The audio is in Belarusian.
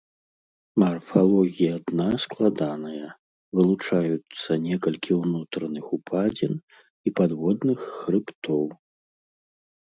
Марфалогія дна складаная, вылучаюцца некалькі ўнутраных упадзін і падводных хрыбтоў.